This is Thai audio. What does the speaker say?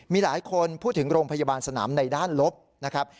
มีหลายคนพูดถึงโรงพยาบาลสนามในด้านลบนะครับ